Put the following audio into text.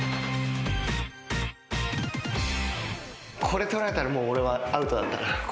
これ取られたらもう俺はアウトだったな。